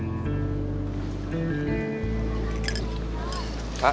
terima kasih ya pak ya